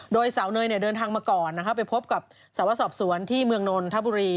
โดยสาวเนยเดินทางมาก่อนไปพบกับสาวสอบสวนที่เมืองนนทบุรี